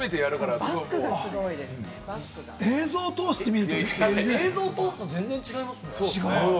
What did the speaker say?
映像を通して見ると、全然違うね。